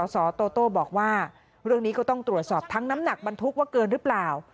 สโตโต้บอกว่าเรื่องนี้ก็ต้องตรวจสอบทั้งน้ำหนักบรรทุกว่าเกินหรือเปล่า